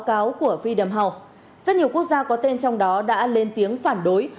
các báo cáo của freedom house rất nhiều quốc gia có tên trong đó đã lên tiếng phản đối